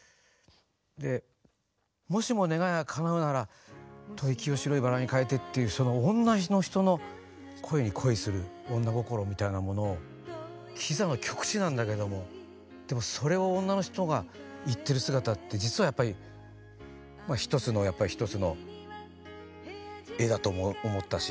で「もしも願いが叶うなら吐息を白いバラに変えて」っていうその女の人の恋に恋する女心みたいなものをきざの極致なんだけどもでもそれを女の人が言ってる姿って実はやっぱり一つのやっぱり一つの絵だと思ったし。